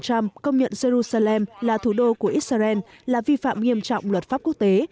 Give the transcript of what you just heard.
trump công nhận jerusalem là thủ đô của israel là vi phạm nghiêm trọng luật pháp quốc tế